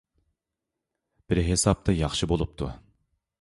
بىر ھېسابتا ياخشى بولۇپتۇ.